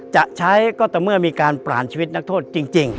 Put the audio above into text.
จะใช้ก็แต่เมื่อมีการเปลี่ยนชีวิตนักโทษจริง